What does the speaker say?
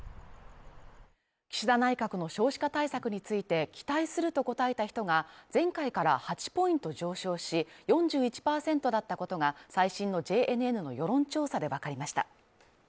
岸田内閣の少子化対策について期待すると答えた人が前回から８ポイント上昇し４１％だったことが最新のＪＮＮの世論調査でわかりました。